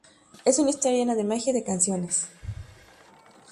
Es una historia llena de magia y de canciones.